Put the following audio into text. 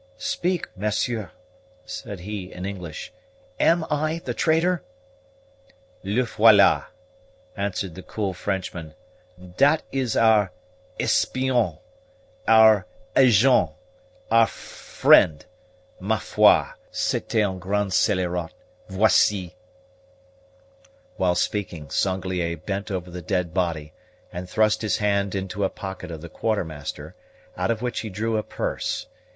"Speak, Monsieur," said he in English; "am I the traitor?" "Le voila," answered the cool Frenchman, "dat is our espion our agent our friend ma foi c'etait un grand scelerat voici." While speaking, Sanglier bent over the dead body, and thrust his hand into a pocket of the Quartermaster, out of which he drew a purse.